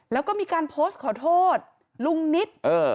แล้วก็มีการโพสต์ขอโทษลุงนิด